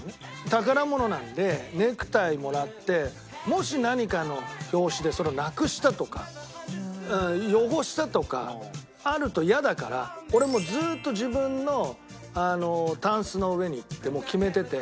宝物なんでネクタイもらってもし何かの拍子でそれをなくしたとか汚したとかあると嫌だから俺はもうずっと自分のタンスの上にって決めてて。